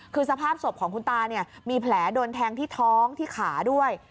คือสภาพศพของคุณตาเนี่ยมีแผลโดนแทงที่ท้องที่ขาด้วย